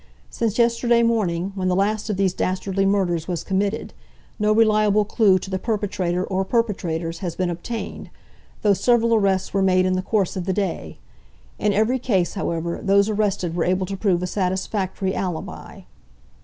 Since yesterday morning, when the last of these dastardly murders was committed, no reliable clue to the perpetrator, or perpetrators, has been obtained, though several arrests were made in the course of the day. In every case, however, those arrested were able to prove a satisfactory alibi."